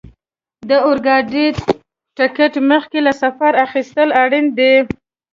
د اورګاډي ټکټ مخکې له سفره اخیستل اړین دي.